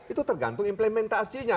itu tergantung implementasinya